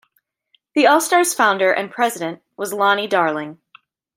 The All-Stars' founder and president was Lonnie Darling.